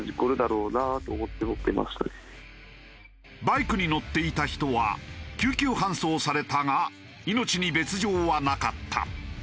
バイクに乗っていた人は救急搬送されたが命に別状はなかった。